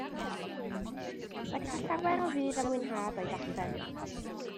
Wedi cael llawer o fudd a mwynhad o'i darllen.